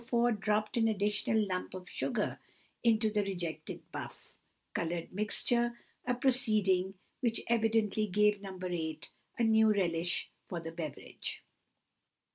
4 dropped an additional lump of sugar into the rejected buff coloured mixture, a proceeding which evidently gave No. 8 a new relish for the beverage.